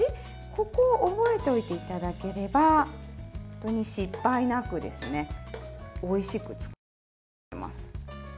ここを覚えておいていただければ本当に失敗なくおいしく作っていただけます。